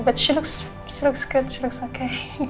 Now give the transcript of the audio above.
tapi dia terlihat baik dia terlihat oke